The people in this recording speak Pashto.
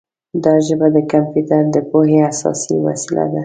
دا ژبه د کمپیوټر د پوهې اساسي وسیله ده.